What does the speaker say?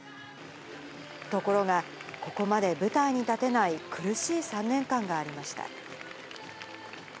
ところが、ここまで舞台に立てない苦しい３年間がありました。